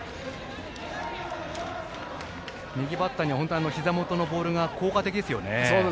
右バッターにはひざ元のボールが効果的ですね。